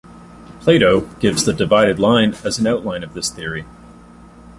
Plato gives the divided line as an outline of this theory.